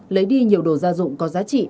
lấy đi nhiều đồ gia dụng có giá trị